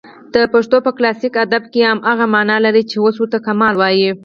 د پښتو په کلاسیک ادب کښي هماغه مانا لري، چي اوس ورته کمال وايي.